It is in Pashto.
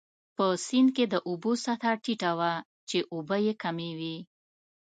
په سیند کې د اوبو سطحه ټیټه وه، چې اوبه يې کمې وې.